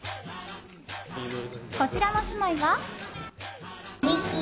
こちらの姉妹は。